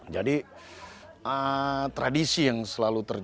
jadi tradisi yang selalu terjadi